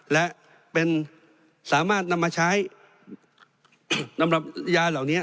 และเป็นสามารถนำมาใช้สำหรับยาเหล่านี้